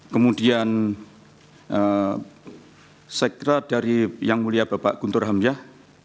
kemudian saya kira dari yang mulia bapak guntur hamyah